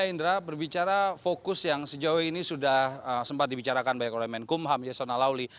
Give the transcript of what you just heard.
indra berbicara fokus yang sejauh ini sudah sempat dibicarakan baik oleh menkumham yasona lawli